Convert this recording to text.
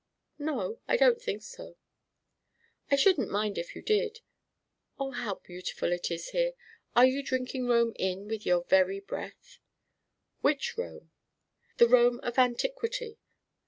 "No, I don't think so." "I shouldn't mind if you did. Oh, how beautiful it is here! Are you drinking Rome in with your very breath?" "Which Rome?" "The Rome of antiquity.